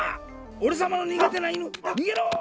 おれさまのにがてないぬ。にげろ！